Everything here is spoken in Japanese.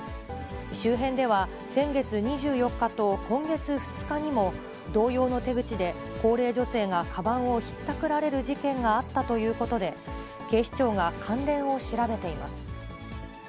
周辺では、先月２４日と今月２日にも同様の手口で、高齢女性がかばんをひったくられる事件があったということで、警視庁が関連を調べています。